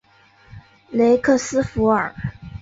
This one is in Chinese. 雷克斯弗尔。